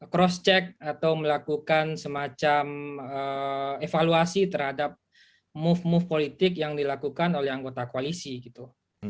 cross check atau melakukan semacam evaluasi terhadap move move politik yang dilakukan oleh anggota koalisi gitu